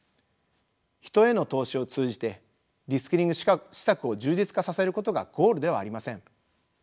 人への投資を通じてリスキリング施策を充実化させることがゴールではありません。